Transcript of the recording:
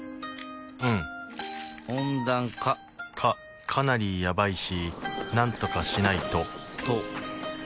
うん温暖化かかなりやばいしなんとかしないとと解けちゃうね